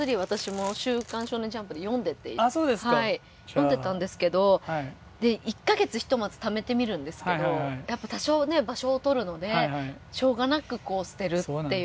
読んでたんですけどで１か月ひとまずためてみるんですけどやっぱ多少ね場所をとるのでしょうがなくこう捨てるっていう。